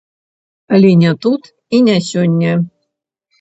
Але не тут і не сёння.